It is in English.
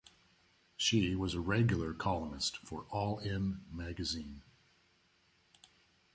She was a regular columnist for "All In" magazine.